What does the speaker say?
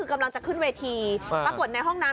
คือกำลังจะขึ้นเวทีปรากฏในห้องน้ำ